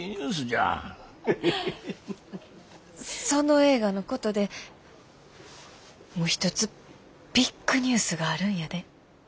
その映画のことでもう一つビッグニュースがあるんやで。